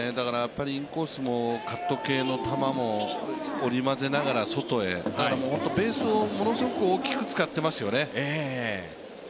インコースもカット系の球も織りまぜながら外へ、ベースをものすごく大きく使っていますよね。